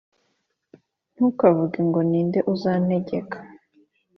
Ntukavuge ngo «Ni nde uzantegeka?